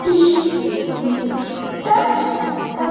দেখ রাধে, সে তোকে গুন্ডা বলেছে না?